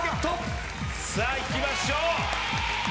さあいきましょう！